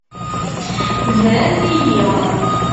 Brant-iyi.